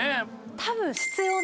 多分。